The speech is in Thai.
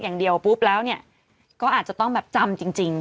อย่างเดียวปุ๊บแล้วเนี่ยก็อาจจะต้องแบบจำจริง